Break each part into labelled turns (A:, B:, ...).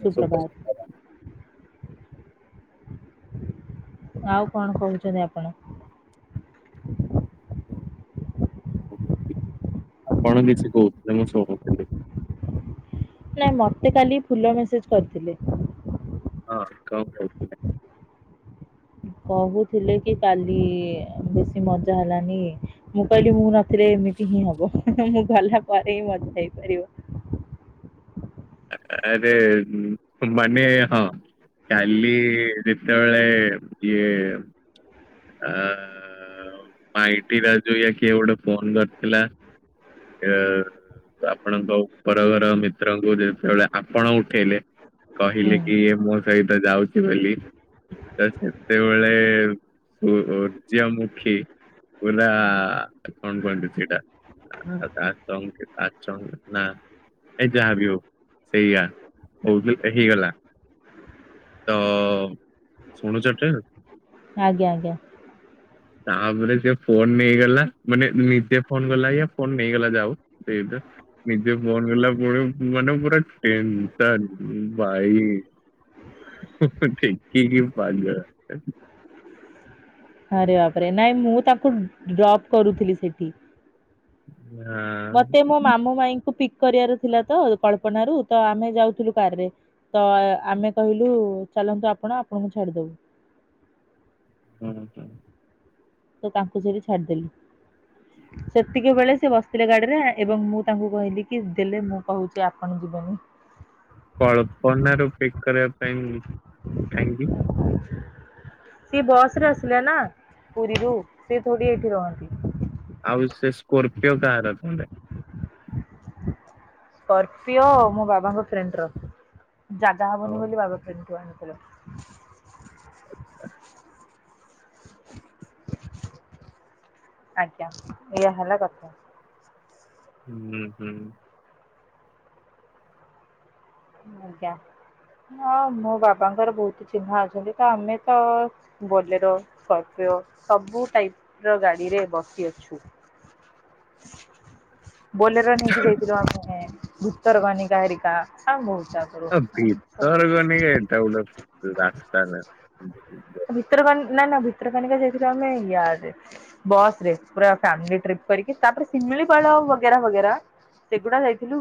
A: ସୁପ୍ରଭାତ। [inaudible] ଆଉ କଣ କହୁଛନ୍ତି ଆପଣ?
B: ଆପଣ କିଛି କହୁ ମୁଁ ଶୁଣୁଥିଲି।
A: ନାଇଁ ମତେ କାଲି ଫୁଲ ମେସେଜ କରିଥିଲେ।
B: ହଁ କଣ କହୁଥିଲେ?
A: କହୁଥିଲେ କି କାଲି ବେଶୀ ମଜା ହେଲାନି ମୁଁ କହିଲି ମୁଁ ନଥିଲି। ଏମିତି ହିଁ ହବ ମୁଁ ଗଲା ପରେ ହିଁ ମଜା ହେଇପାରିବ।
B: ଆ ରେ ମାନେ ହଁ କାଲି ଯେତେବେଳେ ଇଏ ଆ ମାଇଟି ରାଜୁ ୟା କିଏ ଗୋଟେ ଫୋନ କରିଥିଲା ଇଏ ଆପଣଙ୍କ ଉପର ଘର ମିତ୍ରଙ୍କୁ ଯେତେବେଳେ ଆପଣ ଉଠେଇଲେ
A: ହୁଁ
B: କହିଲେ କି ମୋ ସହିତ ଯାଉଛି ବୋଲି। ତ ସେତେବେଳେ ସୂର୍ଯ୍ୟମୁଖୀ କହିଲା କଣ କୁହନ୍ତି ସେଇଟା ଆ ତା ଚଙ୍କ ତା ଚଙ୍କ ନା ଏ ଯାହା ବି ହଉ ସେଇଆ ହଉଥି ହେଇଗଲା ତ ଶୁଣୁଛ ଟି
A: ଆଜ୍ଞା ଆଜ୍ଞା।
B: ତାପରେ ସେ ଫୋନ ନେଇଗଲା ମାନେ ନିଜେ ଫୋନ କଲା ବାଗିଆ ଫୋନ ନେଇଗଲା ଯାହା ହୋଉ ସେଇତ ନିଜେ ଫୋନ କଲା ପରେ ମାନେ ପୁରା ଟେନସନ୍। ଭାଇ ଠେକି କିି ପାଗେଳା।
A: ଆରେ ବାପରେ ନାଇଁ ମୁଁ ତାଙ୍କୁ ଡ୍ରପ୍ କରୁଥିଲି ସେଠି। ମତେ ମୋ ମାମୁଁ ମାଇଁଙ୍କୁ ପିକ କରିବାର ଥିଲା ତ କଳ୍ପନା ରୁ ତ ଆମେ ଯାଉଥିଲୁ କାର ରେ ତ ଆମେ କହିଲୁ ଚାଲନ୍ତୁ ଆପଣ ଆପଣଙ୍କୁ ଛାଡିଦବୁ।
B: ହଁ ହ।
A: ତ ତାଙ୍କୁ ସେଇଠି ଛାଡିଦେଲି। ସେତିକିବେଳେ ସେ ବସିଥିଲେ ଗାଡିରେ ଏବଂ ମୁଁ ତାଙ୍କୁ କହିଲି କି ଦେଲେ ମୁଁ କହୁଛି ଆପଣ ଯିବେନି। ହ [inaudible]
B: କଳ୍ପନା ରୁ ପିକ କରିବା ପାଇଁ କାହିଁକି?
A: ସିଏ ବସ୍ ରେ ଆସିଲା ନା ପୁରୀରୁ ସେ ଥୋଡ଼ି ଏଇଠି ରହନ୍ତି।
B: ଆଉ ସେ ସ୍କୋର୍ପିଓ କାହାର ତାହେଲେ?
A: ସ୍କୋର୍ପିଓ ମୋ ବାବାଙ୍କ ଫ୍ରେଣ୍ଡ ର ଜାଗା
B: ହଉ
A: ହବନି ବୋଲି ବାବା ଫ୍ରେଣ୍ଡ ଠୁ ଆଣିଲେ। ଚାଲ ଆଜ୍ଞା ଏଇଆ ହେଲା କଥା।
B: ହୁଁ ହୁଁ।
A: ଆଜ୍ଞା। ହଁ ମୋ ବାବାଙ୍କର ବହୁତ ଚିହ୍ନା ଅଛନ୍ତି। ତ ଆମେ ତ ବୋଲେରୋ ସ୍କୋର୍ପି ତ ସବୁ ଟାଇପ ର ଗାଡିରେ ବସିଅଛୁ। [inaudible] ବୋଲେର ନେଇକି ଯାଇଥିଲୁ ଆମେ ଭିତରକନିକା ହେରିକା ଆଉ ବହୁତ। ଆଗରୁ।
B: ଭିତରକନିକା ହେଟା ଗୋଟେ ରାସ୍ତା ନା
A: ଆଉ ଭିତରକନି ନା ନା ଭିତରକନିକା ଯାଇଥିଲୁ ଆମେ ୟାର୍ଡରେ ବସ ରେ ପୁରା ଫ୍ୟାମିଲି ଟ୍ରିପ୍ କରିକି ତାପରେ ସିମି ମିଳିପାଳ ବଗେରା ବଗେରା ସେଗୁଡା ଯାଇଥିଲୁ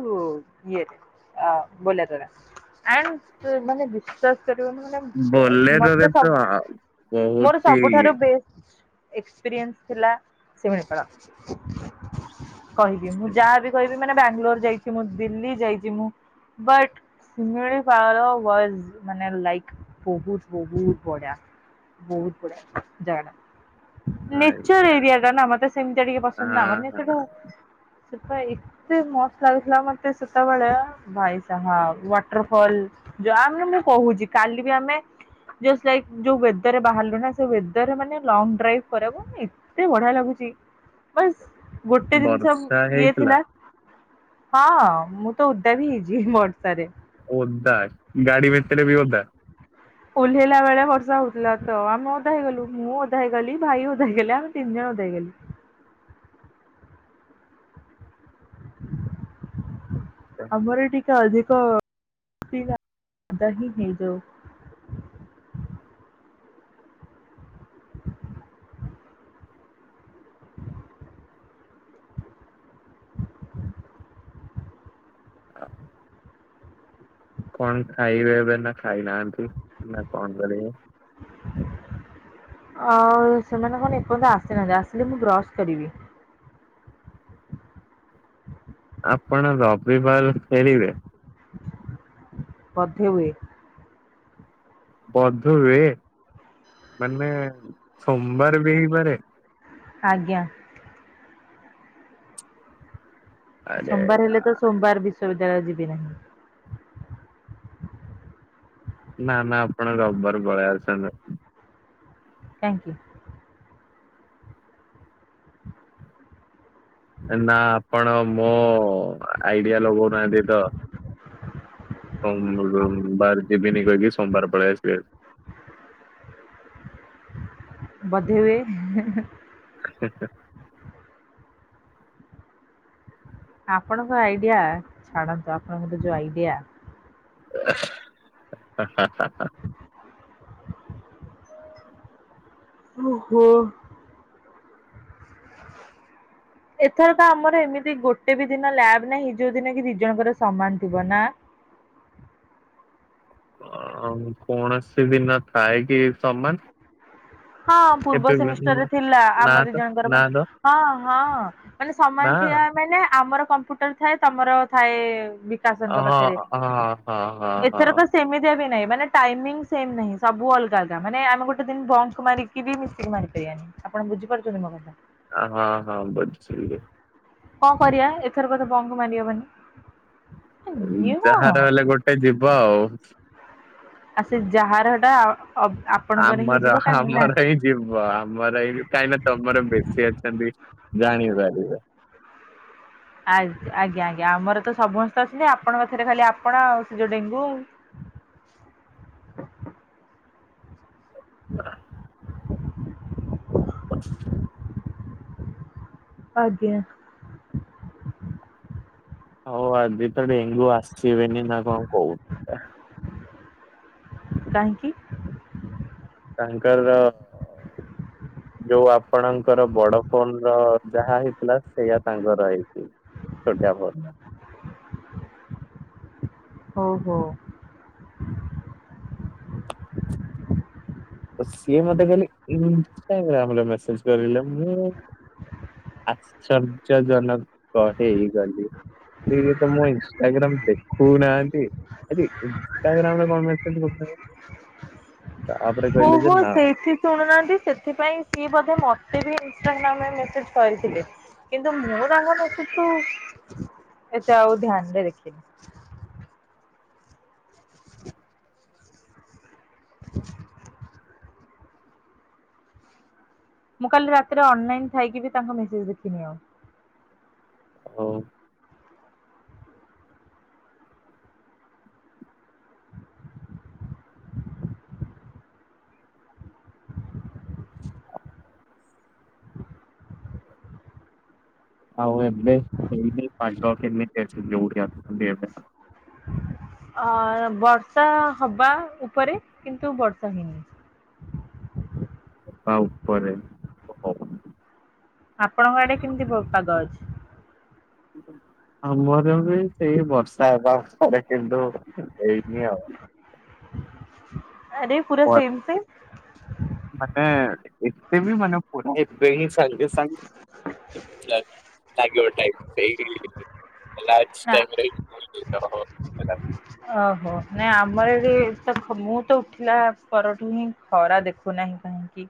A: ଇଏରେ ଆ ବୋଲେରୋରେ ଆଣ୍ଡ ମାନେ ବିଶ୍ୱାସ କରିବନି ମାନେ ମତେ
B: ବୋଲେରରେ
A: ସବୁ
B: ତ
A: ମୋର
B: ବହୁତ ହି
A: ସବୁଠାରୁ ବେଷ୍ଟ ଏକ୍ସପିରିଏନ୍ସ ଥିଲା ଶିମିଳିପାଳ କହିବି ମୁଁ ଯା ବି କହିବି ମାନେ ବ୍ୟାଙ୍ଗଲୋର ଯାଇଛି ମୁଁ ଦିଲ୍ଲୀ ଯାଇଛି ମୁଁ ବଟ ଶିମିଳିପାଳ ୱାଜ ମାନେ ଲାଇକ ବହୁତ ବହୁତ ବଢ଼ିଆ ବହୁତ ବଢ଼ିଆ ଜାଗାଟା
B: ଆଜ୍ଞା
A: ନେଚର ଏରିଆ ଟା ନା ମତେ ସେମିତିଆ ଟିକେ ପସନ୍ଦ ନା
B: ହଁ
A: ମାନେ
B: ହଁ
A: ସେଟା ସେଟା ଏତେ ମସ୍ତ ଲାଗୁଥିଲା ମତେ ସେତେବେଳେ ଭାଇଶାହାବ ୱାଟର ଫଲ ଯ ଆମେ ମୁଁ କହୁଛି କାଲି ବି ଆମେ ଜଷ୍ଟ ଲାଇକ ଯୋଉ ୱେଦର ବାହରିଲୁନା ସେ ୱେଦର ଲଙ୍ଗ ଡ୍ରାଇଭି କରିବାକୁ ଏତେ ବଢ଼ିଆ ଲାଗୁଛି। ବାସ ଗୋଟେ ଜିନିଷ
B: ବର୍ଷା
A: ଇଏ
B: ହେଇଥିଲା
A: ଥିଲା ହଁ ମୁଁ ତ ଓଦା ବି ହେଇଛି ବର୍ଷା ରେ।
B: ଓଦା ଗାଡି ଭିତରେ ବି ଓଦା।
A: ଓହ୍ଲେଇଲା ବେଳେ ବର୍ଷା ହଉଥିଲା ତ ଆମେ ଓଦା ହେଇଗଲୁ ମୁଁ ଓଦା ହେଇଗଲି ଭାଇ ଓଦା ହେଇଗଲା ଆମେ ତିନି ଜଣ ଦେଇଗଲି ଆମର ଟିକେ ଅଧିକ ଓଦା ହିଁ ହେଇଯାଉ।
B: [unintelligible] କଣ ଖାଇବେ ଏବେ ନା ଖାଇନାହାନ୍ତି ନା କଣ କରିବେ?
A: ହଁ ସେମାନେ କଣ ଏପର୍ଯ୍ୟନ୍ତ ଆସିନାହାନ୍ତି ଆସିଲେ ମୁଁ ବ୍ରଶ କରିବି। ହୁଁ
B: ଆପଣ ରବିବାର ଫେରିବେ।
A: ପଥେ ହୁଏ
B: [unintelligible] ହୁଏ ମାନେ ସୋମବାର ବି ହେଇପାରେ
A: ଆଜ୍ଞା ଆ
B: ଆରେ
A: ସୋମବାର
B: ୟା
A: ହେଲେ ତ ସୋମବାର ବିଶ୍ଵବିଦ୍ୟାଳୟ ଯିବି ନାହିଁ
B: ନା ନା ଆପଣ ରବିବାର ପାଳେଇଆସନ୍ତୁ।
A: Thank you.
B: ନା ଆପଣ ମୋ ଆଇଡିଆ ଲଗୋଉନାହାନ୍ତି ତ।
A: ଆପ-
B: ବାର [unintelligible] ଯିବିନି କହିକି ସୋମବାର ପଳେଇ ଆସିବେ।
A: ବଧେ ହୁଏ
B: ହ [unintelligible]
A: ଆପଣଙ୍କ ଆଇଡିଆ ଛାଡନ୍ତୁ ଆପଣଙ୍କର ତ ଯୋଉ ଆଇଡିଆ।
B: ହା ହା ହା
A: ଓଃ ହୋ ଏଥର ତ ଆମର ଏମିତି ଗୋଟେ ବି ଦିନ ଲ୍ୟାବ ନାହିଁ ଯୋଉ ଦିନ କି ଦି ଜଣଙ୍କର ସମାନ ଥିବ ନା।
B: କୌଣସି ଦିନ ଥାଏ କି ସମାନ
A: ହଁ ପୂର୍ବ
B: କେବେ
A: ସେମିଷ୍ଟାରରେ ଥିଲା ଆମ
B: ନା
A: ଦୁ
B: ତ
A: ଜଣଙ୍କର
B: ନା
A: ମାନେ
B: ତ
A: ହଁ ହଁ। ମାନେ ସମାନ
B: ନା
A: ଥିବା ମାନେ ଆମର କମ୍ପ୍ୟୁଟର ଥାଏ ତମର ଥାଏ ବି ସାର ଙ୍କ
B: ହଁ
A: ପାଖରେ
B: ହଁ ହଁ ହଁ
A: ଏଥର
B: ହଁ।
A: ତ ସେମିତିଆ ବି ନାହିଁ ମାନେ ଟାଇମଙ୍ଗ ସେମ ନାହିଁ ସବୁ ଅଲଗା ଅଲଗା ମାନେ ଆମେ ଗୋଟେ ଦିନ ବନ୍ଦ ମାରିକି ବି ମିଶିକି ମାରିପାରିବନି ଆପଣ ବୁଝି ପାରୁଥଛନ୍ତି ମୋ କଥା।
B: ହଁ ହଁ [unintelligible]
A: କଣ କରିବା ଏଥର କ ତ ବଙ୍ଗୁ ମାରିହବନି ଇଏ କଣ
B: ଯାହାର ହେଲେ ଗୋଟେ ଯିବ ଆଉ
A: ଆ ସେ ଯାହାରଏଟା
B: ଆମର ଆମର ଏଇ ଯିବ ଆମର ଏଇ କାହିଁକି ନା ତମର ବେଶୀ ଅଛନ୍ତି। ଜାଣିପାରିବେ
A: ଆ ଆଜ୍ଞା ଆଜ୍ଞା ଆମର ତ ସମସ୍ତେ ଅଛନ୍ତି ଆପଣଙ୍କ ଏଥରେ ଖାଲି ଆପଣ ଆ ସେ ଯୋଉ ଡେଙ୍ଗୁ। [inaudible] [inaudible]
B: [unintelligible]
A: ଆଜ୍ଞା
B: ହଉ ଆଜି ତ ଡେଙ୍ଗୁ ଆସିବେନି ନା କଣ କହୁଥିଲା।
A: କାହିଁକି?
B: ତାଙ୍କର-
A: [inaudible]
B: ଯୋଉ ଆପଣଙ୍କର ବଡ ଫୋନ ର ଯାହା ହେଇଥିଲା ସେଇଆା ତାଙ୍କର ହେଇଛି। ଶଟାର [unintelligible]
A: ହୋଉ ହୋଉ।
B: ତ ସିଏ ମତେ କାଲି ଇନଷ୍ଟାଗ୍ରାମରେ ମେସେଜ କରିଲେ ମୁଁ ଆଶ୍ଚର୍ଯ୍ୟ ଜନକ ହେଇଗଲି। ଏଇ ଘୀତ ମୋ ଇନଷ୍ଟାଗ୍ରାମ୍ ଦେଖୋଉନାହାନ୍ତି। ଆବେ ଇନଷ୍ଟାଗ୍ରାମ୍ ରେ କଣ ମେସେଜ୍ କରୁଥିଲା ବେ ତ ଆ
A: ଓହୋ ସେଇଥି ଶୁଣୁନାହାନ୍ତି ସେଥିପାଇଁ ସିଏ ବୋଧେ ମତେ ବି ଇନ୍ ଇନଷ୍ଟାଗ୍ରାମ୍ ରେ ମେସେଜ୍ କହିଥିଲେ କିନ୍ତୁ ମୁଁ ତାଙ୍କ ମେସେଜ୍ କୁ ଏତେ ଆଉ ଧ୍ୟାନରେ ଦେଖିନି। ମୁଁ କାଲି ରାତିରେ ଅନଲାଇନ ଥାଇକି ବି ତାଙ୍କ ମେସେଜ ଦେଖିନି ଆଉ।
B: ହୋଉ। ଆଉ ଏବେ ହେଇନେ ପାଗ କେମିତି ଅଛି। ଯୋଉଠି ଆସୁଛନ୍ତିଏବେ?
A: ଆ ବର୍ଷା ହବା ଉପରେ କିନ୍ତୁ ବର୍ଷା ହେଇନି।
B: ହଁ ଟସ୍ ଉପରେ [inaudible]
A: ଆପଣଙ୍କ ଆଡେ କେମିତିଲ ପ ପାଗ ଅଛି?
B: [unintelligible] ଆମର ବି ସେଇ ବର୍ଷା ହେବା ଉପରେ କିନ୍ତୁ ହେଇନି ଆଉ।
A: ଆରେ ପୁରା
B: ପରେ
A: ସେମ୍ ସେମ୍।
B: ମାନେ ଏତେ ବି ମାନେ ପୁରା ଏବେ ହିଁ ସାଙ୍ଗେ ସାଙ୍ଗ [unintelligible] ଲାଗିବ ଟାଇମ୍ ସେଇ [unintelligible] ଲାଇଫ୍
A: ନା
B: [unintelligible]
A: ଓହୋ ନାଇଁ ଆମର ଏଠି ତ ମୁଁ ତ ଉଠିଲା ପରଠୁ ହିଁ ଖରା ଦେଖୁନା ସାଙ୍ଗେ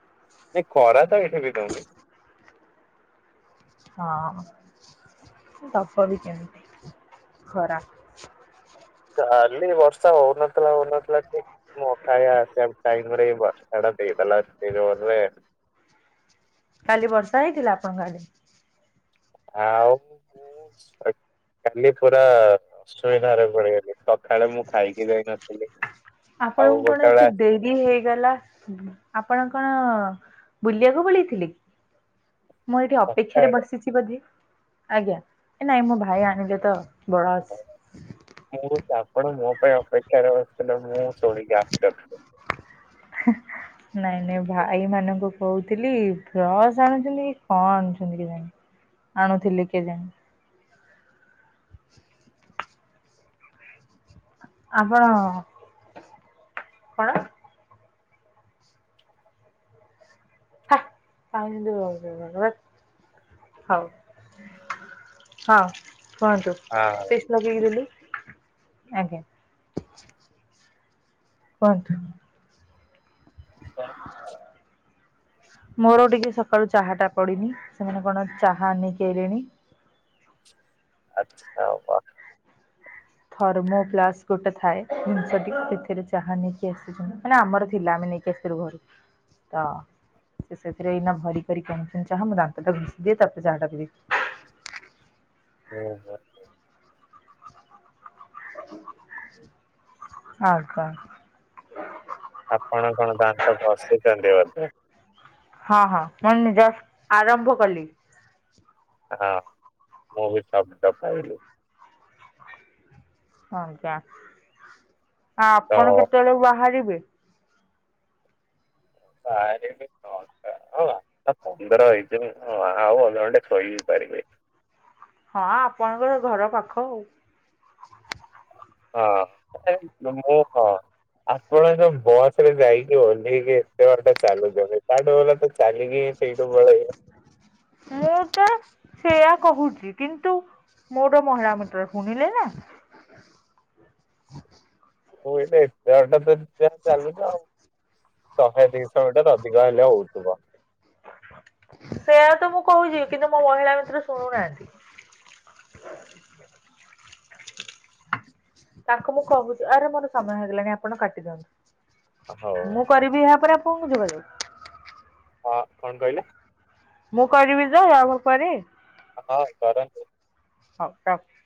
A: ସାଙ୍ଗେ କି
B: ନାଇଁ ଖରା ତ ଏଠି ବି ଦୋଉନି।
A: ହଁ। ଦବ ବି କେମିତି ଖରାପ୍
B: କାଲି ବର୍ଷା ହୋଉନଥିଲା ହୋଉନଥିଲା କି ମୋ ଖାଇ ଆସିବା ଟାଇମ୍ ରେ ବର୍ଷା ଟା ଦେଇଦେଲା ଏତେ ଜୋରେ
A: କାଲି ବର୍ଷା ହେଇଥିଲା ଆପଣଙ୍କ ଆଡେ?
B: ଆଉ ମୁଁ-ମୁଁ କାଲି ପୁରା ଅସୁବିଧାରେ ପଡିଗଲି। ସଖାଳେ ମୁଁ ଖାଇକି ଯାଇନ
A: ଆପଣଙ୍କୁ କଣ ଏତେ ଡେରି ହେଇଗଲା ଉଁ ଆପଣ କଣ ବୁଲିବାକୁ ପଳେଇଥିଲେ କି? ମୁଁ ଏଠି ଅପେକ୍ଷାରେ
B: ସକାଳ
A: ବସିଚି ବୋଧେ? ଆଜ୍ଞା ନାଇଁ ମୋ ଭାଇ ଆଣିଲେ ତ ବରାସ୍
B: ମୁଁ ଆପଣ ମୋ ପାଇଁ ଅପେକ୍ଷାରେ ବସିଥିଲେ, ମୁଁ ଶୁଣିକି ଆଶ୍ଚର୍ଯ୍ୟ।
A: ନାଇଁ ନାଇଁ ଭାଇ ମାନଙ୍କୁ କୋହୁଥିଲି ବ୍ରସ ଆଣୁଛନ୍ତି କି କଣ ଆଣୁଛନ୍ତି କେଜାଣି? ଆଣୁଥିଲି କେଜାଣି? ଆପଣ କଣ? [unintelligible] ହୋଉ ହଁ। କୁହନ୍ତୁ? ପେଷ୍ଟ୍ ଲଗେଇକି ଦେଲୁ। ଆଜ୍ଞା କୁହନ୍ତ?
B: କଣ?
A: ମୋର ଟିକେ ସକାଳୁ ଚାହା ଟା ପଡିନି। ସେମାନେ କଣ ଚାହା ନେଇକି ଆଇଲେଣି।
B: ଆଛା ଆଉ କଣ?
A: ଥର୍ମୋ ପ୍ଲାସ ଗୋଟେ ଥାଏ ଜିନିଷ ଟି ସେଥିରେ ଚାହା ନେଇକି ଆସିଚନ୍ତି ମାନେ ଆମର ଥିଲା, ମାନେ ନେଇକି ଆସିଥିଲୁ ଘରୁ ତ। ସେ ସେଥିରେ ଏଇନା ଭରି କରିକି ଆଣିଚନ୍ତି ଚାହା ମୁଁ ଦାନ୍ତ ଟା ଘସି ଦିଏ ତାପରେ ଚାହା ଟା ପିଇଦେବି। [inaudible]
B: [unintelligible]
A: [inaudible] ହଁ ପା?
B: ଆପଣ କଣ ଦାନ୍ତ ଘଷୁଛନ୍ତି ବୋଧେ?
A: ହଁ ହଁ ମୁଁ ନିଜଷ୍ଟ ଆରମ୍ଭ କଲି।
B: ହଁ ମୁଁ ବି ସବଟ ପାଇଲି।
A: ଆଜ୍ଞା। ଆ-
B: ତ
A: ଆପଣ କେତେବେଳକୁ ବାହାରିବେ?
B: ବାହାରିବି ନଅ ଟା ଆ- ନଅ ଟା ପନ୍ଦର ହେଇଛି [unintelligible] ଅଧଘଣ୍ଟେ ଶୋଇବି [inaudible]
A: ହଁ ଆପଣଙ୍କର ଘର ପାଖ ଆଉ।
B: ହଁ ମୁଁ ହଁ। ଆପଣଙ୍କ ବସ ରେ ଯାଇକି ଓହ୍ଲେଇକି ଏତେ ବାଟ ଚାଲୁଛନ୍ତି ତା ଠୁ ଭଲ ତ ଚାଲିକି ସେ-ସେଇଠୁ ପଳେଇବେ।
A: ମୁଁ ତ ସେୟା କହୁଛି କିନ୍ତୁ ମୋର ମହିଳା ମିତର ଶୁଣିଲେ ନା। [inaudible]
B: ହଉ ଏବେ ଏତେ ବାଟ ଚାଲୁଚ ଆଉ ତମେ [unintelligible] [unintelligible] ଅଧିକ ଅଇଲେ ହଉଥିବ।
A: ସେୟା ତ ମୁଁ କହୁଛି କିନ୍ତୁ ମୋ ମହିଳା ମିତ୍ର ଶୁଣୁନାହାନ୍ତି। ତାଙ୍କୁ ମୁଁ କହୁଛି ଆରେ ମୋର ସମୟ ହେଇଗଲାଣି ଆପଣ
B: ହଉ
A: କାଟିଦିଅନ୍ତୁ। ମୁଁ କରିବି ଏହାପରେ ଆପଣଙ୍କୁ ଯିବା କୁ।
B: ହଁ କଣ କହିଲେ?
A: ମୁଁ କରିବି ଯେ [unintelligible]
B: ହଁ କରନ ର।
A: ହଉ ରଖୁଚି।